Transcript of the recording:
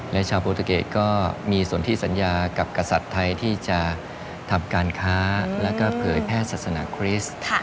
และชาวโปรตูเกตก็มีส่วนที่สัญญากับกษัตริย์ไทยที่จะทำการค้าแล้วก็เผยแพร่ศาสนาคริสต์